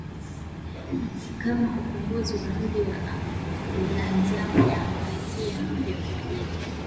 kama ukombozi kwa mji wa Aleksandria Kaisari mpya kwa jina